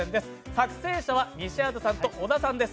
作成者は西畑さんと小田さんです。